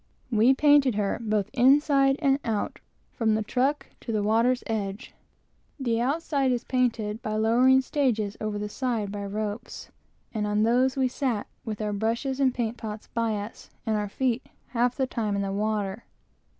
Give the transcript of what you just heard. We painted her, both inside and out, from the truck to the water's edge. The outside is painted by lowering stages over the side by ropes, and on those we sat, with our brushes and paint pots by us, and our feet half the time in the water.